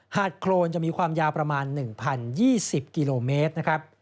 หาดโครนจะมีความยาวประมาณ๑๐๒๐กิโลเมตร